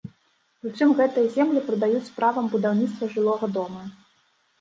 Прычым гэтыя землі прадаюць з правам будаўніцтва жылога дома.